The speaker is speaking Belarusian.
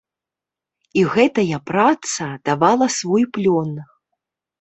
І гэтая праца давала свой плён.